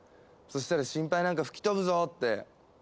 そしたら心配なんか吹き飛ぶぞって。